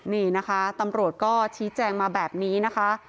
นี่นะคะตำรวจก็ชี้แจงมาแบบนี้นะคะ